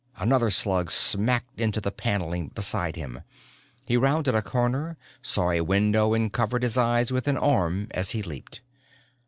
Another slug smacked into the paneling beside him. He rounded a corner, saw a window and covered his eyes with an arm as he leaped.